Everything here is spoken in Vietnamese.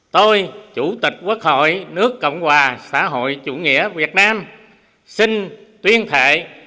tôi chủ tịch quốc hội nước cộng hòa xã hội chủ nghĩa việt nam xin tuyên thệ